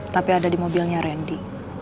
tapi ada di mobilnya randy